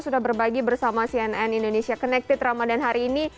sudah berbagi bersama cnn indonesia connected ramadan hari ini